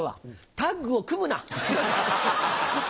タッグを組むな！